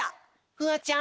フワちゃん。